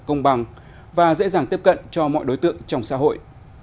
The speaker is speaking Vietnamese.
công bằng và dễ dàng tiếp cận cho mọi đối tượng trong xã hội